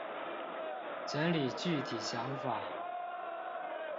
整理具體想法